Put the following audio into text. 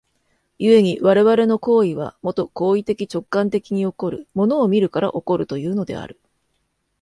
故に我々の行為は、もと行為的直観的に起こる、物を見るから起こるというのである。